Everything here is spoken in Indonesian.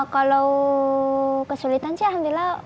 kalau kesulitan sih alhamdulillah